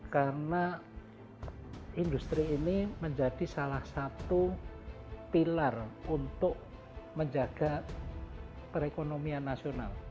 karena industri ini menjadi salah satu pilar untuk menjaga perekonomian nasional